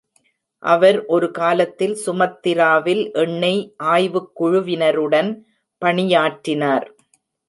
அவர் ஒரு காலத்தில் சுமத்ராவில் எண்ணெய் ஆய்வுக் குழுவினருடன் பணியாற்றினார்.